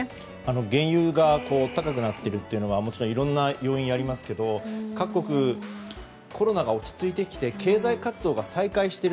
原油が高くなっているというのはいろんな要因がありますが各国、コロナが落ち着いてきて経済活動が再開している。